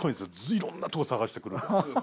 いろんなとこ捜して来るから。